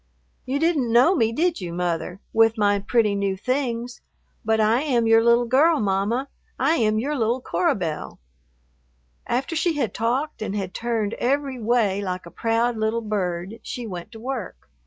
"You didn't know me, did you, Mother, with my pretty new things? But I am your little girl, Mamma. I am your little Cora Belle." After she had talked and had turned every way like a proud little bird, she went to work.